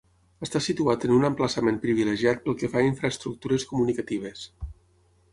Està situat en un emplaçament privilegiat pel que fa a infraestructures comunicatives.